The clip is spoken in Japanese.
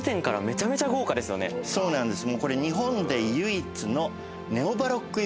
そうなんです。